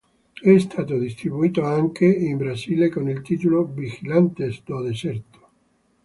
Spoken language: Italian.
È stato distribuito anche in Brasile con il titolo "Vigilantes do Deserto".